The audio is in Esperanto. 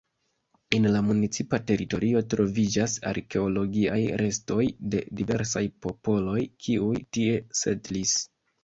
En la municipa teritorio troviĝas arkeologiaj restoj de diversaj popoloj kiuj tie setlis.